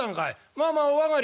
まあまあお上がり」。